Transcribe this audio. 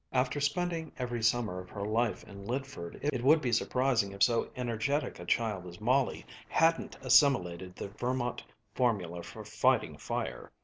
After spending every summer of her life in Lydford, it would be surprising if so energetic a child as Molly hadn't assimilated the Vermont formula for fighting fire.